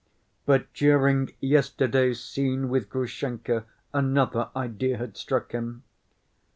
But during yesterday's scene with Grushenka another idea had struck him.